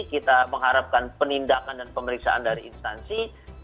kita mengharapkan penindakan dan pemeriksaan dari instansi